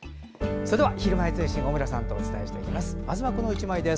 それでは「ひるまえ通信」小村さんとお伝えします。